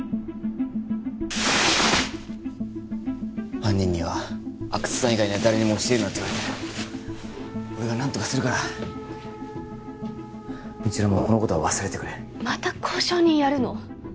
犯人には阿久津さん以外には誰にも教えるなって言われてる俺が何とかするから未知留もこのことは忘れてくれまた交渉人やるの？